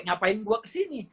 ngapain gue kesini